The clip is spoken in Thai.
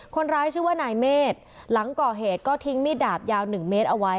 คนร้ายชื่อว่านายเมฆหลังก่อเหตุก็ทิ้งมีดดาบยาว๑เมตรเอาไว้